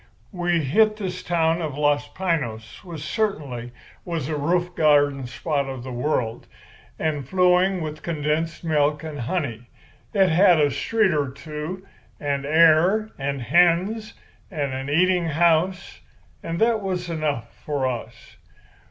We hit this town of Los Piños, which certainly was a roof garden spot of the world, and flowing with condensed milk and honey. It had a street or two, and air, and hens, and a eating house; and that was enough for us.